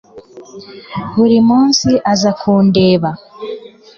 Buri munsi aza kundeba